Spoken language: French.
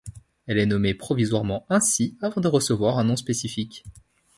Elle est nommée provisoirement ainsi avant de recevoir un nom spécifique.